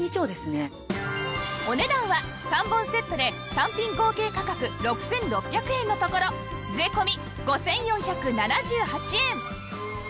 お値段は３本セットで単品合計価格６６００円のところ税込５４７８円